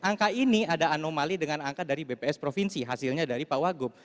angka ini ada anomali dengan angka dari bps provinsi hasilnya dari pak wagub